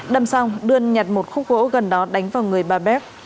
đâm xong đươn nhặt một khúc gỗ gần đó đánh vào người bà bac